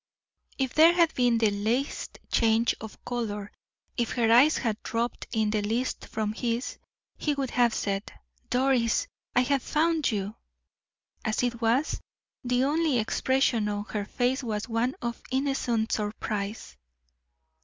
If there had been the least change of color, if her eyes had drooped in the least from his, he would have said: "Doris, I have found you!" As it was, the only expression on her face was one of innocent surprise.